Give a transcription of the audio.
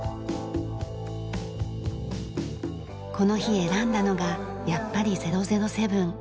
この日選んだのがやっぱり『００７』。